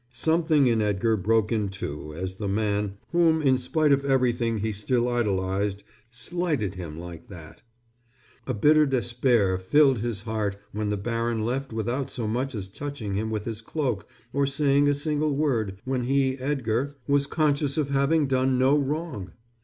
Something in Edgar broke in two as the man, whom in spite of everything he still idolized, slighted him like that. A bitter despair filled his heart when the baron left without so much as touching him with his cloak or saying a single word, when he, Edgar, was conscious of having done no wrong.